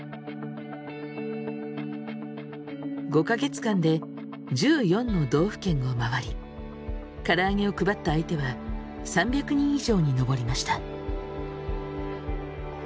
５か月間で１４の道府県を回りからあげを配った相手は３００人以上に上りました。